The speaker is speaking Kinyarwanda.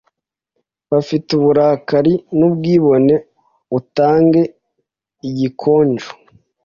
bafite uburakari Nubwibone utange igikonjo